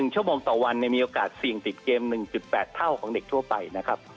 ชั่วโมงต่อวันมีโอกาสเสี่ยงติดเกม๑๘เท่าของเด็กทั่วไปนะครับ